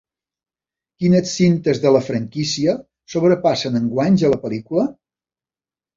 Quines cintes de la franquícia sobrepassen en guanys a la pel·lícula?